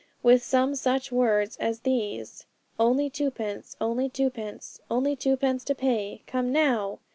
with some such words as these, "Only twopence; only twopence; only twopence to pay! Come now!"